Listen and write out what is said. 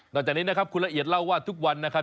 จากนี้นะครับคุณละเอียดเล่าว่าทุกวันนะครับ